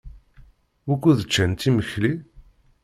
Wukud ččant imekli?